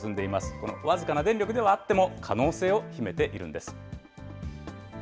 この僅かな電力ではあっても、可能性を秘めているんです。